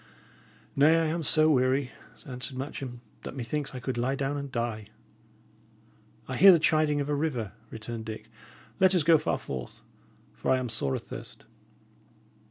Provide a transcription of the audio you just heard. "Nay, I am so weary," answered Matcham, "that methinks I could lie down and die." "I hear the chiding of a river," returned Dick. "Let us go so far forth, for I am sore athirst."